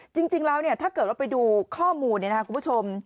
จริงแล้วเนี่ยถ้าเกิดเราไปดูข้อมูลเนี่ยคุณผู้ชม